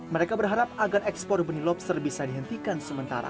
mereka berharap agar ekspor benih lobster bisa dihentikan sementara